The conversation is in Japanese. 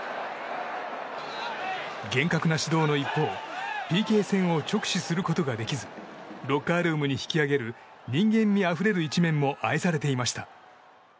厳格な指導の一方ＰＫ戦を直視することができずロッカールームに引きあげる人間味あふれる一面も愛されていました。